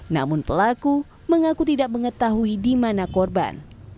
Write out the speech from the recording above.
namun pelaku mengaku tidak mengetahui di mana korban